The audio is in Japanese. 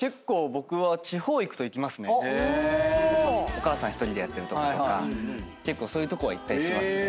お母さん１人でやってる所とかそういうとこは行ったりします。